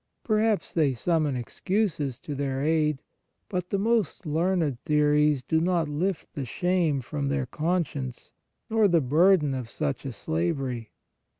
Perhaps they summon excuses to their aid, but the most learned theories do not lift the shame from their con science, nor the burden of such a slavery.